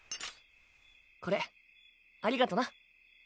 これありがとな。